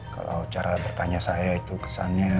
kalau cara bertanya saya itu kesannya